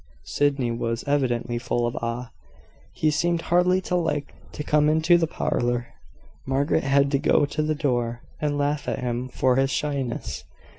Sydney was evidently full of awe. He seemed hardly to like to come into the parlour. Margaret had to go to the door, and laugh at him for his shyness.